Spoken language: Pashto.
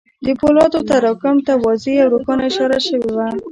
د پولادو تراکم ته واضح او روښانه اشاره شوې وه